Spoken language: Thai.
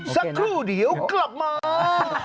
สักครู่เดี๋ยวกลับมา